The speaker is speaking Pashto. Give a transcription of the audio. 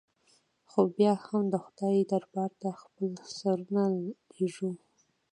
خو بیا هم د خدای دربار ته خپل سرونه لږوو.